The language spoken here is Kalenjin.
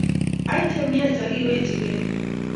Ae chemyach akiwechi kei